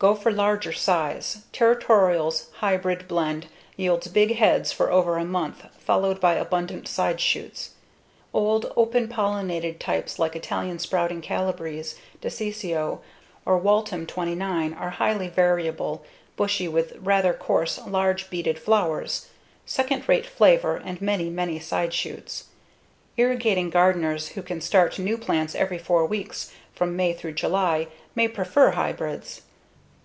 Go for larger size. Territorial's hybrid blend yields big heads for over a month followed by abundant side shoots. Old, open pollinated types like Italian Sprouting Calabrese, DeCicco, or Waltham 29 are highly variable, bushy, with rather coarse, large beaded flowers, second rate flavor and many, many side shoots. Irrigating gardeners who can start new plants every four weeks from May through July may prefer hybrids.